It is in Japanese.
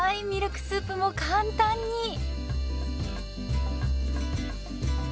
ミルクスープも簡単に。